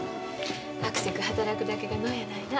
あくせく働くだけが能やないな。